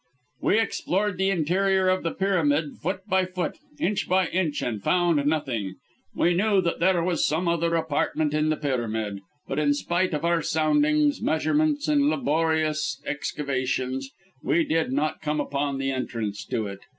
We explored the interior of the pyramid foot by foot, inch by inch and found nothing. We knew that there was some other apartment in the pyramid, but in spite of our soundings, measurements and laborious excavations, we did not come upon the entrance to it.